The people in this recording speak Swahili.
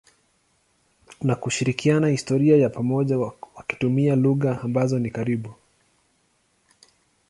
na kushirikiana historia ya pamoja wakitumia lugha ambazo ni karibu.